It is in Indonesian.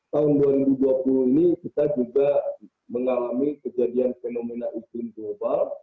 tahun dua ribu dua puluh ini kita juga mengalami kejadian fenomena iklim global